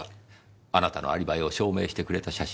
あなたのアリバイを証明してくれた写真です。